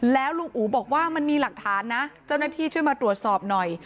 แล้วลุงอู๋บอกว่ามันมีหลักฐานนะเจ้าหน้าที่ช่วยมาตรวจสอบหน่อย